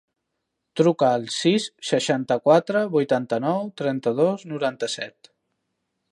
Truca al sis, seixanta-quatre, vuitanta-nou, trenta-dos, noranta-set.